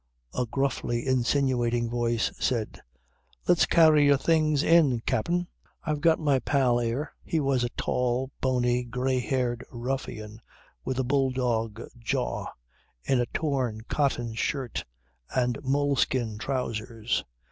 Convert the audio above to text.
A gruffly insinuating voice said: "Let's carry your things in, Capt'in! I've got my pal 'ere." He was a tall, bony, grey haired ruffian with a bulldog jaw, in a torn cotton shirt and moleskin trousers.